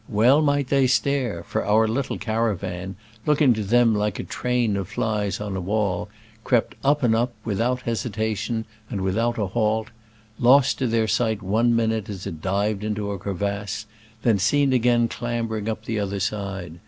Well might they stare, for our little caravan, looking to them like a train of flies on a wall, crept up and up, without hesitation and without a halt — lost to their sight one minute as it dived into a crevasse, then seen again clambering up the other side.